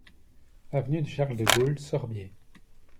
Avenue du Charles de Gaulle, Sorbiers